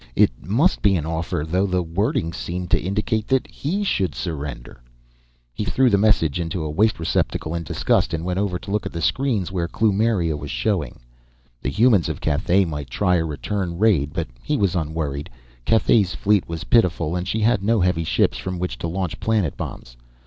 It must be an offer, though the wording seemed to indicate he should surrender! He threw the message into a waste receptacle in disgust and went over to look at the screens where Kloomiria was showing. The humans of Cathay might try a return raid, but he was unworried. Cathay's fleet was pitiful, and she had no heavy ships from which to launch planet bombs.